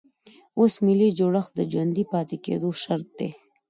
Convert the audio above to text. اوس ملي جوړښت د ژوندي پاتې کېدو شرط دی.